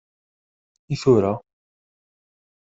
I tura?